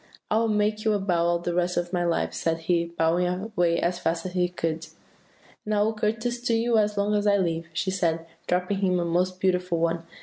"'I will make you a bow all the rest of my life,' he said, bowing away as fast as he could. "'And I will courtesy to you as long as I live,' she said, dropping him a most beautiful one.